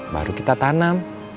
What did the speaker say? baru kita tanam